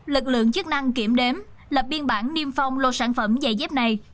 lực lượng chức năng kiểm đếm lập biên bản niêm phong lô sản phẩm giày dép này